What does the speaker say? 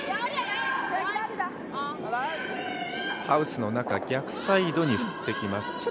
ハウスの中、逆サイドに振ってきます。